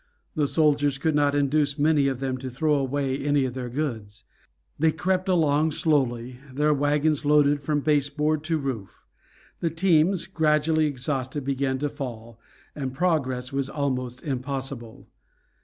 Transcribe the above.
The soldiers could not induce many of them to throw away any of their goods. They crept along slowly, their wagons loaded from baseboard to roof. The teams, gradually exhausted, began to fall, and progress was almost impossible.